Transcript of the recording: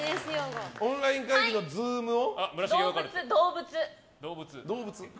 オンライン会議のＺｏｏｍを。